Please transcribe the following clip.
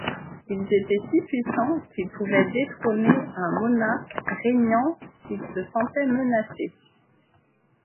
Ils étaient si puissants qu'ils pouvaient détrôner un monarque régnant s'ils se sentaient menacés.